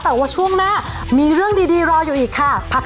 โอ้โฮกลุ้กกับ